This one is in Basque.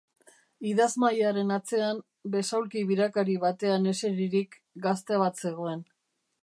Idazmahaiaren atzean, besaulki birakari batean eseririk, gazte bat zegoen.